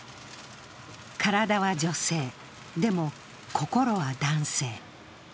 体は女性、でも、心は男性。